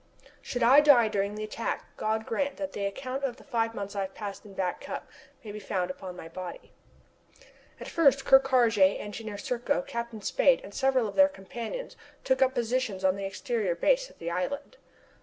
Should I die during the attack God grant that the account of the five months I have passed in Back Cup may be found upon my body! At first Ker Karraje, Engineer Serko, Captain Spade, and several of their companions took up position on the exterior base of the island.